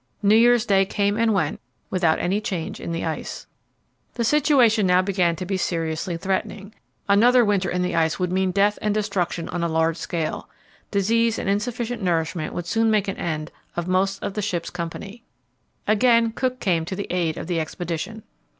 New Year's Day came and went without any change in the ice. The situation now began to be seriously threatening. Another winter in the ice would mean death and destruction on a large scale. Disease and insufficient nourishment would soon make an end of most of the ship's company. Again Cook came to the aid of the expedition.